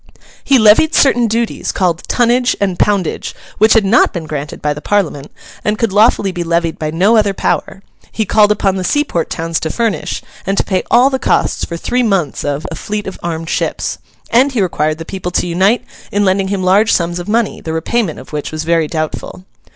He levied certain duties called tonnage and poundage which had not been granted by the Parliament, and could lawfully be levied by no other power; he called upon the seaport towns to furnish, and to pay all the cost for three months of, a fleet of armed ships; and he required the people to unite in lending him large sums of money, the repayment of which was very doubtful.